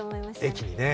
駅にね。